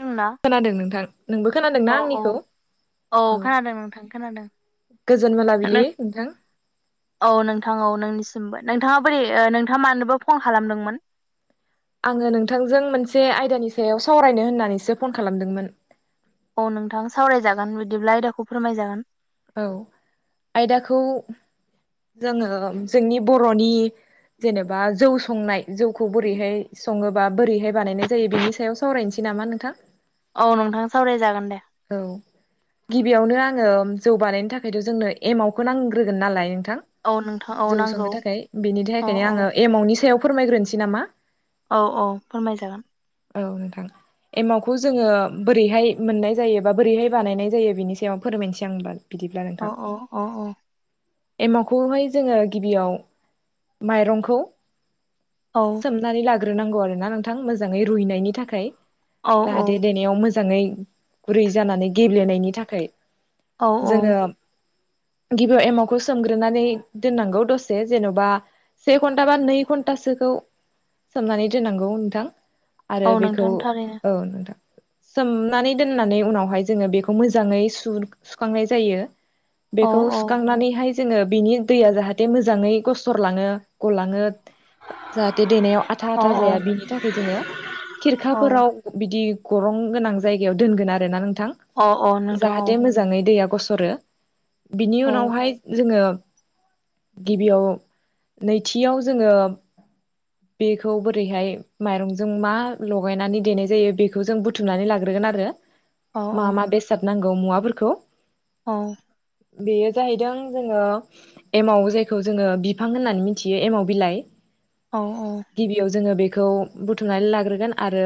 दोंना खोनादों नोंथां नोंबो खोनादोंना औ औ आंनिखौ? औ खोनादों नोंथां खोनादों गोजोन मोनाबिलि नों नोंथां। औ नोंथां औ नोंनिसिमबो नोंथाङा बोरै नोंथाङा मानोबा फन खालामदोंमोन? आङो नोंथांजों मोनसे आयदानि सायाव सावरायनो होननानैसो फन खालामदोंमोन। औ नोंथां सावरायजागोन बिदिब्ला आयदाखौ फोरमायजागोन। औ आयदाखौ जोङो जोंनि बर'नि जेनेबा जौ संनाय जौखौ बोरैहाय सङोबा बोरैहाय बानायनाय जायो बेनि सायाव सावरायनोसै नामा नोंथां? औ नोंथां सावरायजागोन दे। औ। गिबियावनो आङो जौ बानायनो थाखायथ' जोंनो एमावखौ नांग्रोगोन नालाय थां औ नोंथां औ जौ नांगौ संनो थाखाय बेनि औ थाखायनो औ आङो एमावनि सायाव फोरमायग्रोनोसै नामा? औ औ फोरमाय जागोन। औ नोंथां एमाउखौ जोङो बोरैहाय मोननाय जायो बा बोरैहाय बानायनाय जायो बेनि सायाव फोरमायनोसै आं होनबा। बिदिब्ला नोंथां अ' अ' अ' अ'। एमावखौहाय जोङो गिबियाव माइरंखौ औ सोमनानै लाग्रोनांगौ आरोना नोंथां मोजाङै रुइनायनि थाखाय। औ जाहाथे देनायाव मोजाङै गुरै जानानै गेब्लेनायनि थाखाय। औ औ। जोङो गिबियाव एमावखौ सोमग्रोनानै दोननांगौ दसे जेन'बा से घन्टा बा नै घन्टासोखौ सोमनानै दोननांगौ नोंथां। औ आरो बेखौ नोंथां थारैनो औ नोंथां। सोमनानै दोननानै उनावहाय जोङो बेखौ मोजाङै सु- सुखांनाय जायो। औ बेखौ औ सुखांनानैहाय जोङो बिनि दैया जाहाथे मोजाङै गसरलाङो, गलाङो जाहाथे देनायाव औ आथा-आथा जाया बिनि थाखाय जोङो औ खिरखाफोराव बिदि गरं गोनां जायगायाव दोनगोन आरोना नोंथां औ औ नोंथां जाहाथे औ मोजाङै दैया गसरो बिनि उनावहाय जोङो गिबियाव नैथियाव जोङो बेखौ बोरैहाय माइरंजों मा लगायनानै देनाय जायो बेखौ जों बुथुमनानै लाग्रोगोन आ रो औ मा मा बेसाद नांगौ मुवाफोरखौ। औ। बेयो जाहैदों जोङो एमाव जायखौ जोङो बिफां होननानै मिनथियो एमाव बिलाइ। औ गिबियाव जोङो बे खौ बुथुमनानै लाग्रोगोन आरो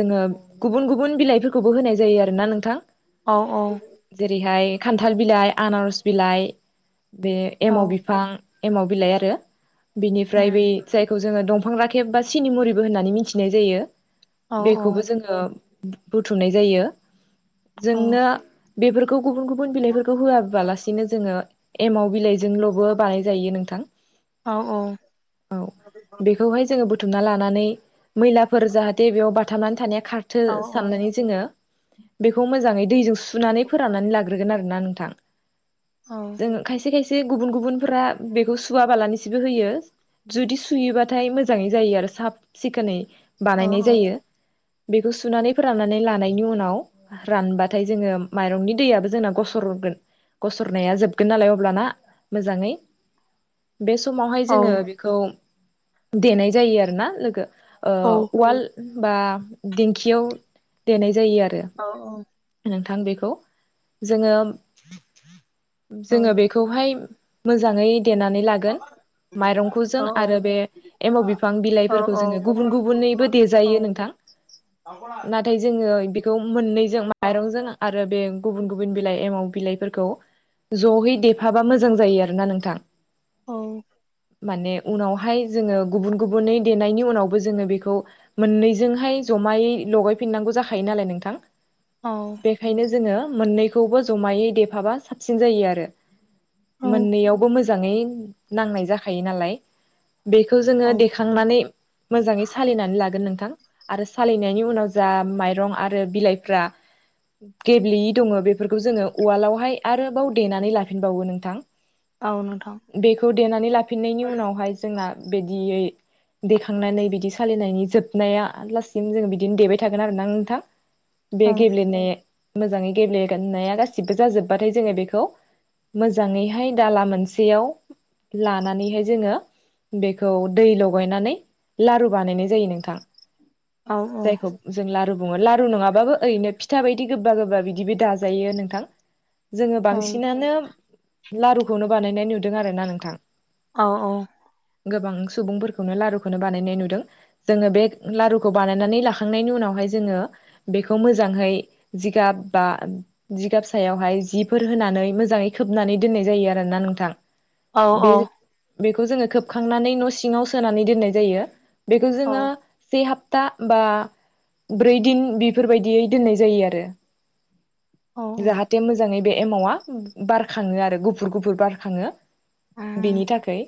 जोङो गुबुन गुबुन बिलाइ फो खोबो होनाय जायो आरोना नोंथां। औ औ। ओरैहाय खान्थाल बिलाइ, आनारस बिलाइ, बे औ एमाव बिफां एमाव बिलाइ आरो बिनिफ्राय बै उम जायखौ जो जोङो दंफां राखेब बा सिनि मुरिबो होननानै मिनथिनाय जायो औ बेखौबो जोङो बुथुमनाय जायो औ जोंनो बेफोर खौ गुबुन गुबुन औ बिलाइ फोरखौ होआ बाला सिनो जोङो एमाव बिलाइ जोंल'बो बानाय जायो नोंथां। औ बेखौहाय जोङो बुथुमना लानानै मैलाफोर जाहाथे बेयाव बाथाबनानै थानाया खारथो साननानै जोङो बेखौ मोजाङै दैजों सुनानै फोराननानै लाग्रोगोन आरो ना नोंथां। जोङो खायसे खायसे गुबुन गुबुनफोरा बेखौ सुवाबाालनिसोबो होयो। जुदि सुयोबाथाय मोजाङै जायो आरो साब सिखोनै बानायनाय जायो बेखौ सुनानै फोराननानै लानायनि उनाव रानबाथाय जोङो माइरंनि दैयाबो जोंना गसरगोन। गसरनाया जोबगोन नालाय अब्लाना मोजाङै [inaudible] बे समावहाय जोङो बेखौ देनाय जायो आरो ना लोगो। ओ उवाल बा दिेंखियाव देनाय जायो आरो। नोंथां बेखौ जोङो जोङो बेखौहाय मोजाङै देनानै लागोन माइरंखौ जों आरो बे एमाव बिफां बिलाइफोरखौ जोङो गुबुन गुबुनैबो देजायो नोंथां। [inaudible] नाथाय जोङो बेखौ मोननैजों माइरंजों आरो बे गुबुन गुबुन बिलाइ एमाव बिलाइफोरखौ जहै देफाबा मोजां जायो आरोना नोंथां। औ। माने उनावहाय जोङो गुबुन गुबुनै देनायनि उनावबो जोङो बेखौ मोननैजोंहाय ज जमाय लगायफिनांगौ जाखायो नालाय नोंथां। औ बेखायनो जोङो मोननैखौबो जमायै देफाबा साबसिन जायो आरो। औ मोननैयावबो मोजाङै नांनाय जाखायो नालाय। बेखौ जोङो देखांनानै मोजाङै सालिनानै लागोन नों थां आरो सालियनायनि उनाव जा माइरं आरो बिलाइफ्रा गेब्लेयि दङ बेफोरखौ जोङो उवालावहाय आरोबाव देनानै लाफिनबावो नोंथां। औ नोंथां बेखौ देनानै लाफिननायनि उनावहाय जोंना बिदेयै देखांनानै बिदि सालिनायनि जोबनाया लासिम जोङो बिदिनो देबाय थागोन आरो ना नोंथां। औ बे गेब्ले मोजाङै गेब्लेगोननाया गासिबो जाजोब्बाथाय जोङो बेखौ मोजाङैहाय दाला मोनसेयाव लानानैहाय जोङो बेखौ दै लगायनानै लारु बानायनाय जायो नोंथां। औ औ जायखौ जों लारु बुङो लारु नङाबाबो ओरैनो फि था बायदि गोबबा गोबा बिदि बो दाजायो नोंथां जोङो औ बांसिनानो लारुखौनो बानायनाय नुदों आरो ना नोंथां। औ औ। गोबां सुबुंफोरखौनो लारुखौनो बानायनाय नुदों जोङो बे लारुखौ बानायनानै लाखांनायनि उनावहाय जोङो बेखौ मोजांयै जिगाब बा जिगाब सायावहाय जिफोर होनानै मोजाङै खोबनानै दोननाय जायो आरो। ना नोंथां? औ औ। बे बेखौ जोङो खोबखांनानै न' सिङाव सोनानै दोननाय जायो बेखौ जोङो से हाप था बा ब्रै दिन बेफोरबायदियै दोननाय जायो आरो। औ जाहाथे मोजाङै बे एमावा बारखाङो आरो गुफुर गुफुर बारखाङो। बेनि थाखाय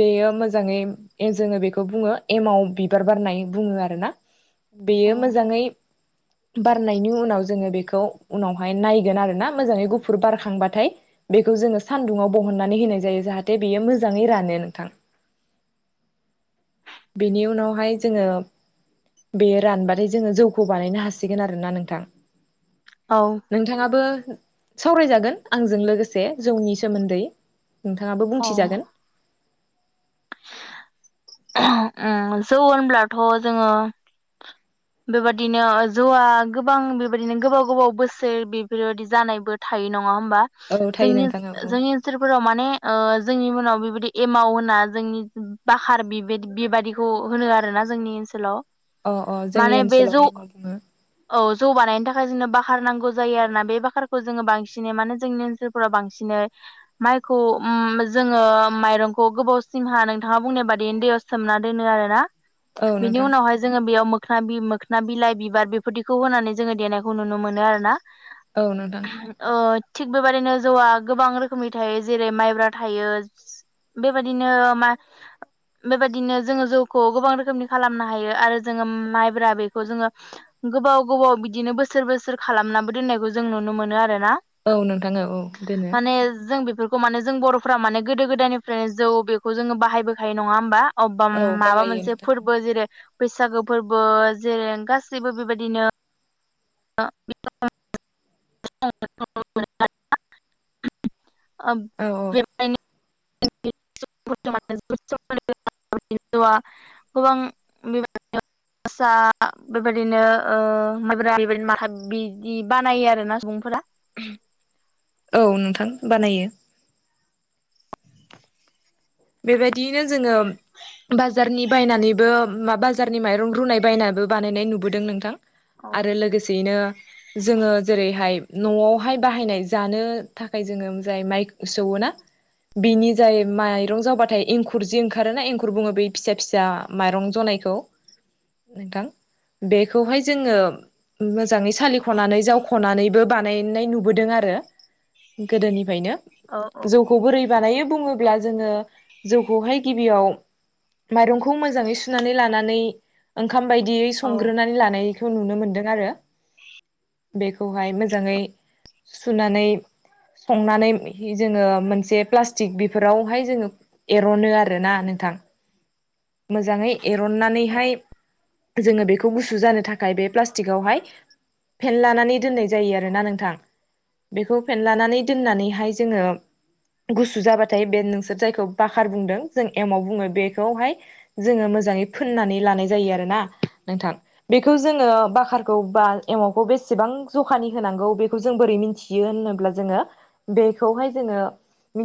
बेयो मोजाङै ए जोङो बेखौ बुङो एमाव बिबार बारनाय बुङो आरो ना? बेयो मोजाङै बारनायनि उनाव जोङो बेखौ उनावहाय नायगोन आरो ना मोजाङै गुफुर बारखांबाथाय बेखौ जोङो सानदुङाव बहननानै होनाय जायो। जाहाथे बेयो मोजाङै रानो नोंथां। [inaudible] बेनि उनावहाय जोङो बेयो रानबाथाय जोङो जौखौ बानायनो हासिगोन आरोना नोंथां। औ नोंथाङाबो सावरायजागोन आंजों लोगोसे जौनि सोमोन्दै नोंथाङाबो बुंथिजागोन उम जौ होनब्लाथ' जोङो बेबायदिनो जौआ गोबां बेबायदिनो गोबाव गोबाव बोसोर बेफोरबायदि जानायबो थायो न ङा होनबा औ थायो जोंनि नोंथाङा औ जोंनि ओनोलफोराव माने ओ जोंनि उनाव बेबायदि एमाव होना जोंनि बाखार बिबादि बिबादिखौ होनो आरोना जोंनि ओनसोलाव अ अ जोंनि माने बे जौ ओनसोलावहाय मा बुङो? औ जौ बानायनो थाखाय जोंनो बाखार नांगौ जायो आरोना बे बाखारखौ जोङो बांसिनै मानोे जोंनि ओनसोलफोराव बांसिनै माइखौ उम जोङो माइरंखौ गोबावसिमहा नोंथाङा बुंनाय बादि उन्दैयाव सोमना दोनो आरोना औ बिनि नोंथां उनावहाय जोङो बेयाव मो बि मोखना बिलाइ बिबार बेफोरदिखौ होनानै जोङो देनायखौ नुनो मोनो आरोना। औ नोंथां अ। थिग बेबदिनो जौआ गोबां रोखोमनि थायो जेरै माइब्रा थायो बेबायदिनो मा बेबायदिनो जोङो जौखौ गोबां रोखोमनि खालामनो हायो आरो जोङो माइब्रा बेखौ जोङो गोबाव गोबाव बिदिनो बोसोर बोसोर खालामनाबो दोननायखौ जों नुनो मोनो आरो। ना औ नोंथां औ औ दोनो माने जों बेफोरखौ माने जों बर'फ्रा माने गोदो गोदायनिफ्रायनो जौ बेखौ जोङो बाहायबोखायो नङा होमबा? अबबाम औ माबा बाहायो मोनसे नोंथां फोरबो जेरै बैसागो फोरबो जेरै गासैबो बेबायदिनो औ औ [unintelligible] [unintelligible] [unintelligible] जौवा गोबां बिबादिनो फसा बेबायदिनो ओ माइब्रा बेबायदिनो माथा बिदि बानायो आरोना सं फोरा औ नोंथां बानायो बेबायदियैनो जोङो बाजारनि बायनानैबो मा बाजारनि माइरं रुनाय बायनानैबो बानायनाय नुबोदों नोंथां औ आरो लोगोसेयैनो जोङो जेरैहाय न'आवहाय बाहायनाय जानो थाखाय जोङो जाय माइ सौओ ना बिनि जाय माइ- रं जाबाथाय एंखुर जि ओंखारोना एंखुर बुङो बेै फिसा फिसा माइरं जनायखौ नोंथां बेखौहाय जोङो मोजाङै सालिख'नानै जावख'नानैबो बानायनाय नुबोदों आरो। गोदोनिफ्रायनो औ औ। जौखौ बोरै बानायो बुङोब्ला जोङो। जौखौहाय गिबियाव माइरंखौ मोजाङै सुनानै लानानै ओं। खाम बायदियै औ संग्रोनानै लानायखौ नुनो मोनदों आरो। बेखौहाय मोजाङै सुनानै। संनानै जोङो मोनसे प्लास्टिक बेफोरावहाय जोङो। एर'नो आरो ना नोंथां। मोजाङै एरननानैहाय। जोङो बेखौ गुसु जानो थाखाय बे प्लास्टिकआवहाय। फेेनलानानै दोननाय जायो आरोना नोंथां। बेखौ फेनलानानै दोननानैहाय जोङो। गुसु जाबाथाय बे नोंसोर जायखौ बाखार बुंदों जों एमाव बुङो बेखौहाय। जोङो मोजाङै फोननानै लानाय जायो आरोना नोंथां बेखौ जोङो बाखारखौ बा। बाल एमावखौ बिसिबां जखानि होनांगौ बेखौ जों बोरै मिथियो होनोब्ला जोङो दैखौ। जोङो मि।